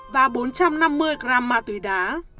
và bốn trăm năm mươi gram ma túy đá